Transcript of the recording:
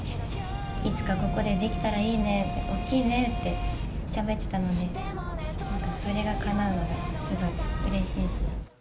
いつかここでできたらいいね、大きいねって、しゃべってたので、なんか、それがかなうのがすごいうれしいし。